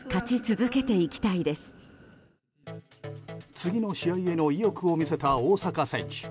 次の試合への意欲を見せた大坂選手。